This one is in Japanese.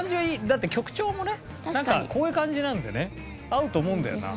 だって曲調もねなんかこういう感じなんでね合うと思うんだよな。